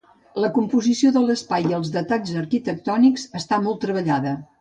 La composició de l'espai i els detalls arquitectònics està molt treballada.